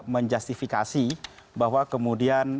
menjustifikasi bahwa kemudian